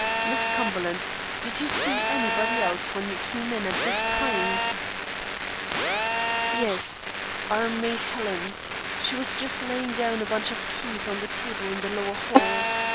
"Miss Cumberland, did you sec anybody else when you came in at this time?" "Yes, our maid Helen. She was just laying down a bunch of keys on the table in the lower hall.